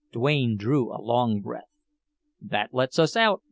Duane drew a long breath. "That lets us out!"